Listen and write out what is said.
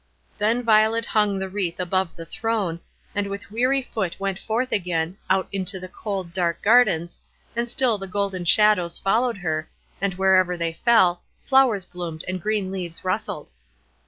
Then Violet hung the wreath above the throne, and with weary foot went forth again, out into the cold, dark gardens, and still the golden shadows followed her, and wherever they fell, flowers bloomed and green leaves rustled.